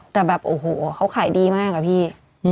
แต่แบบโอ้โหเขาขายดีมากอะพี่